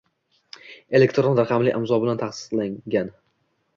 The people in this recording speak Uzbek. elektron raqamli imzo bilan tasdiqlangan